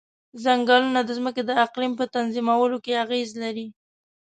ځنګلونه د ځمکې د اقلیم په تنظیمولو کې اغیز لري.